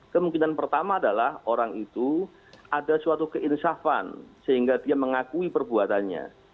kemungkinan pertama adalah orang itu ada suatu keinsafan sehingga dia mengakui perbuatannya